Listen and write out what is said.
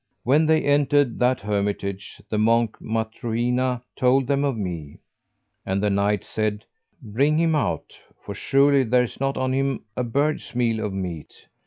When they entered that hermitage, the monk Matruhina told them of me, and the Knight said, 'Bring him out, for surely there is not on him a bird's meal of meat.'